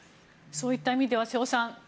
そういった意味では瀬尾さん